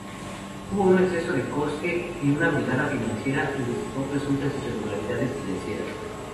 Hubo un exceso de coste y una brigada financiera investigó presuntas irregularidades financieras.